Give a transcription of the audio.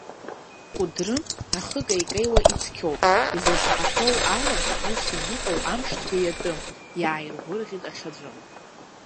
Кәыдры ахы кеикеиуа ицқьоуп, изласаҳахьоу ала, ус ианыҟоу амшцәгьа иатәым, иааиргәыӷит аҽаӡәы.